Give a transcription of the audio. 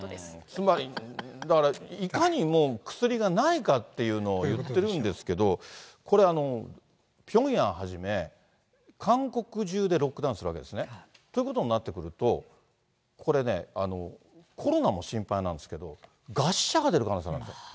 つまり、だから、いかにもう薬がないかっていうのを言ってるんですけど、これ、ピョンヤンはじめ、韓国中でロックダウンするんですね。ということになってくると、これね、コロナも心配なんですけど、餓死者が出る可能性があるんですよ。